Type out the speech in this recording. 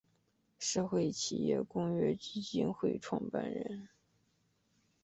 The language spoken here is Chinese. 社会企业公约基金会创办人。